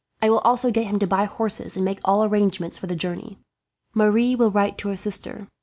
I will also get him to buy horses, and make all arrangements for the journey. "Marie will write to her sister.